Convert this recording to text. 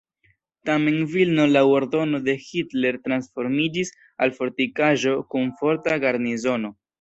Tamen Vilno laŭ ordono de Hitler transformiĝis al fortikaĵo kun forta garnizono.